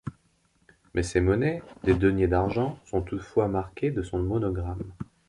Mais ces monnaies, des deniers d'argent, sont toutefois marquées de son monogramme.